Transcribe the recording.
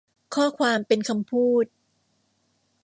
ข้อความเป็นคำพูด